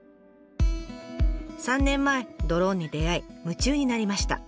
３年前ドローンに出会い夢中になりました。